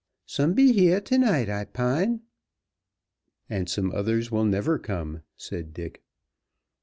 Some be heah to night, I 'pine." "And some others will never come," said Dick.